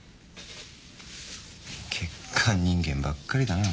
欠陥人間ばっかりだな